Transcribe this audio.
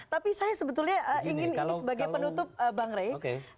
tapi saya sebetulnya ingin ini sebagai penutup bang rey